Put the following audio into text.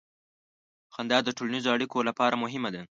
• خندا د ټولنیزو اړیکو لپاره مهمه ده.